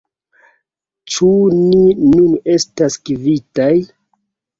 Ĉu ni nun estas kvitaj?